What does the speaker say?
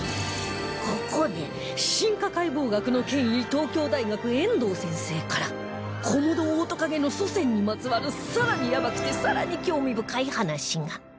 ここで進化解剖学の権威東京大学遠藤先生からコモドオオトカゲの祖先にまつわる更にヤバくて更に興味深い話が